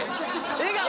笑顔